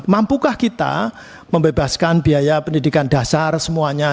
mampukah kita membebaskan biaya pendidikan dasar semuanya